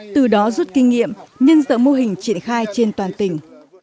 từ đó rút kinh nghiệm nhân dợ mô hình triển khai trên toàn tỉnh